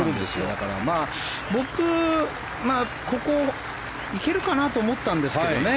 だから僕ここ行けるかなと思ったんですけどね。